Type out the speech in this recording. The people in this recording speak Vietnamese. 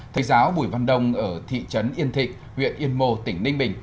thầy giáo bùi văn đông ở thị trấn yên thịnh huyện yên mô tỉnh ninh bình